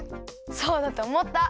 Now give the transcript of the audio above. そうだとおもった。